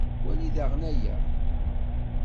Wali daɣen aya.